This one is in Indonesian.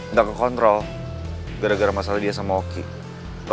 udah berhenti disini aja